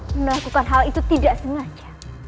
melakukan hal itu tidak sengaja